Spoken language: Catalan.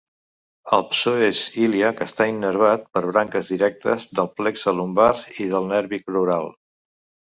El psoes ilíac està innervat per branques directes del plexe lumbar i del nervi crural.